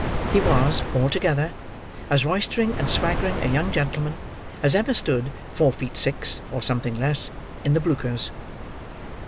He was, altogether, as roystering and swaggering a young gentleman as ever stood four feet six, or something less, in the bluchers.